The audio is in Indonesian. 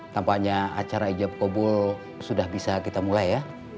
tampaknya acara ijab kobul sudah bisa kita mulai ya